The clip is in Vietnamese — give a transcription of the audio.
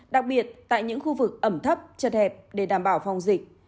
đặc biệt tại những khu vực ẩm thấp chật hẹp để đảm bảo phòng dịch